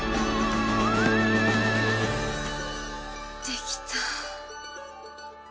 できた。